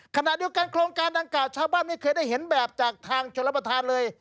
ขณะเดียวกันโครงการดังกล่าวชาวบ้านไม่เคยได้เห็นแบบจากทางชนรับประทานเลย